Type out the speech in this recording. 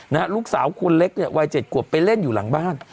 นะฮะลูกสาวคนเล็กเนี่ยวัย๗กว่าไปเล่นอยู่หลังบ้าน